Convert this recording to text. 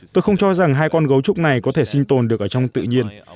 tôi không cho rằng hai con gấu trúc này có thể sinh tồn được ở trong tự nhiên